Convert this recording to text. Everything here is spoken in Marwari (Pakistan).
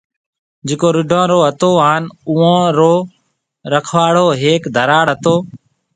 جڪو رڍون رو هتو هان اوئون رو رُکاڙو هيڪ ڌراڙ هتو